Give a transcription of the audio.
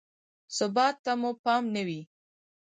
ثبات ته مو پام نه وي.